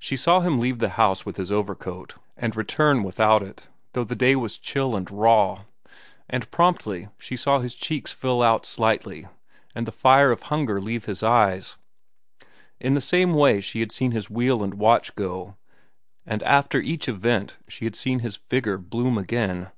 She saw him leave the house with his overcoat and return without it, though the day was chill and raw, and promptly she saw his cheeks fill out slightly and the fire of hunger leave his eyes. In the same way she had seen his wheel and watch go, and after each event she had seen his vigor bloom again.